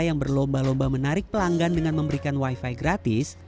yang berlomba lomba menarik pelanggan dengan memberikan wifi gratis